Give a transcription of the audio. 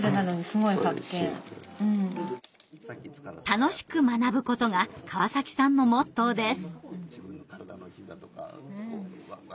「楽しく学ぶ」ことが川崎さんのモットーです。